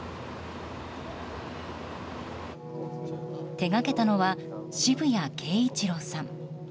手掛けたのは渋谷慶一郎さん。